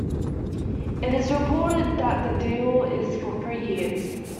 It is reported that the deal is for three years.